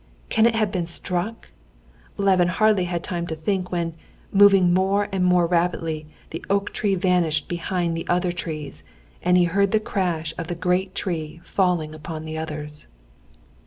"Can it have been struck?" Levin hardly had time to think when, moving more and more rapidly, the oak tree vanished behind the other trees, and he heard the crash of the great tree falling upon the others.